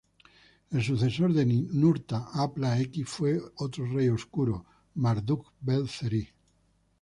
El sucesor de Ninurta-apla-X fue otro rey oscuro, Marduk-bel-zeri.